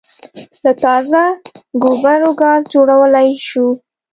له تازه ګوبرو ګاز جوړولای شو